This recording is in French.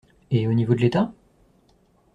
Et au niveau de l’État?